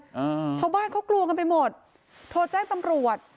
อ่าชาวบ้านเขากลัวกันไปหมดโทรแจ้งตำรวจ